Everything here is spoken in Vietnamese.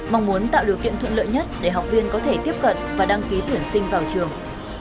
mong muốn tạo điều kiện thuận lợi nhất để học viên có thể tiếp cận và đăng ký tuyển sinh vào trường